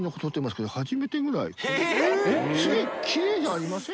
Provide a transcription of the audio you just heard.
すごいきれいじゃありません？